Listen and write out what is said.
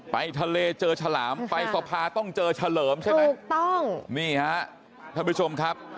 ไปทะเลเจอฉลามไปสภาต้องเจอเฉลิมใช่ไหมถูกต้องนี่ฮะท่านผู้ชมครับ